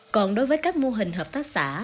còn đối với các mô hình hợp tác xã